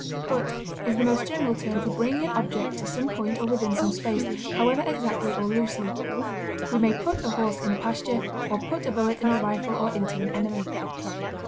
Put is the most general term for bringing an object to some point or within some space, however exactly or loosely; we may put a horse in a pasture, or put a bullet in a rifle or into an enemy.